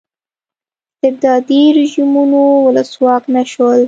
استبدادي رژیمونو ولسواک نه شول.